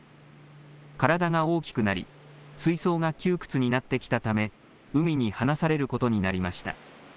体が大きくなり、水槽が窮屈になってきたため、海に放されることになりました。